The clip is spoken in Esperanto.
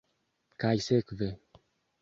Kaj sekve.